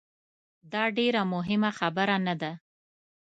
داډیره مهمه خبره نه ده